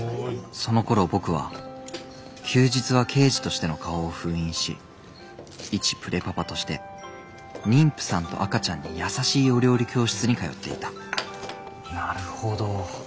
そのころ僕は休日は刑事としての顔を封印しいちプレパパとして妊婦さんと赤ちゃんに優しいお料理教室に通っていたなるほど。